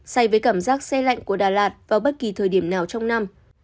xay với cảm giác xe lạnh của đà lạt vào bất kỳ thời điểm nào trong năm